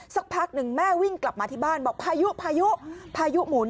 สักพักหนึ่งแม่วิ่งกลับมาที่บ้านบอกพายุพายุพายุหมุน